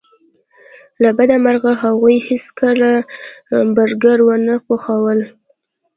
له بده مرغه هغوی هیڅکله برګر ونه پخول